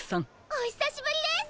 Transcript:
おひさしぶりです！